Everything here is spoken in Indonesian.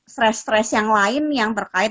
stress stress yang lain yang terkait